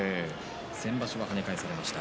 先場所は跳ね返されました。